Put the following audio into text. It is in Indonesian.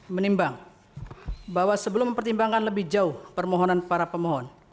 menimbang bahwa sebelum mempertimbangkan lebih jauh permohonan para pemohon